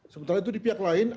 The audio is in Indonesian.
sementara itu di pihak lain